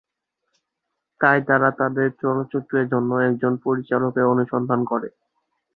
তাই তারা তাদের চলচ্চিত্রের জন্য একজন পরিচালকের অনুসন্ধান করে।